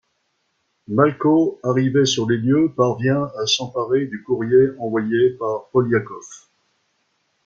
Malko, arrivé sur les lieux, parvient à s'emparer du courrier envoyé par Polyakov.